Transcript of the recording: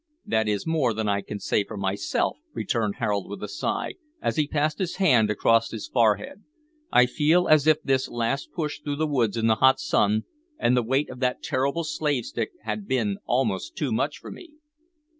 "That is more than I can say for myself," returned Harold, with a sigh, as he passed his hand across his forehead; "I feel as if this last push through the woods in the hot sun, and the weight of that terrible slave stick had been almost too much for me."